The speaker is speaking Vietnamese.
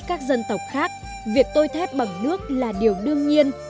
các dân tộc khác việc tôi thép bằng nước là điều đương nhiên